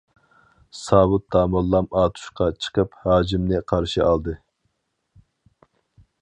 ساۋۇت داموللام ئاتۇشقا چىقىپ ھاجىمنى قارشى ئالدى.